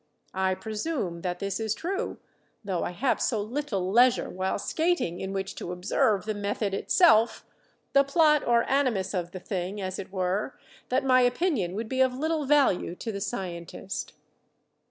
I presume that this is true; though I have so little leisure while skating in which to observe the method itself, the plot or animus of the thing, as it were, that my opinion would be of little value to the scientist.